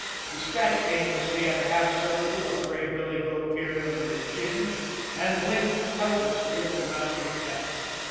He scratched aimlessly at the half circle of gray billy goat beard under his chin, and blinked helplessly at the master mechanic.